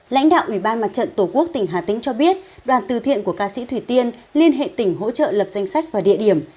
lãnh đạo ủy ban mặt trận tổ quốc tỉnh hà tĩnh cho biết đoàn từ thiện của ca sĩ thủy tiên liên hệ tỉnh hỗ trợ lập danh sách và địa điểm